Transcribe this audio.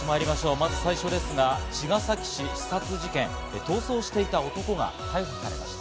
まず最初ですが、茅ヶ崎市刺殺事件、逃走していた男が逮捕されました。